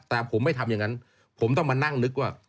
แต่ผมไม่ทำอย่างนั้นผมต้องมานั่งนึกว่า